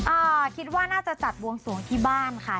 อ่าคิดว่าน่าจะจัดบวงสวงที่บ้านค่ะ